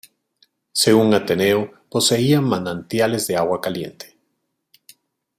Según Ateneo, poseía manantiales de agua caliente.